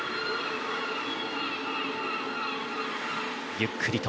ゆっくりと。